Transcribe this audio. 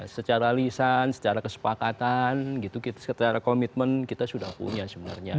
secara lisan secara kesepakatan gitu secara komitmen kita sudah punya sebenarnya